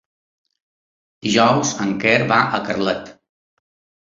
Dijous en Quer va a Carlet.